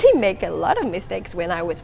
itu tidak sangat mudah bagi saya